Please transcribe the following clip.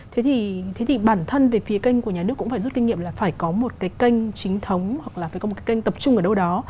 thế thì bản thân về phía kênh của nhà nước cũng phải rút kinh nghiệm là phải có một cái kênh chính thống hoặc là phải có một cái kênh tập trung ở đâu đó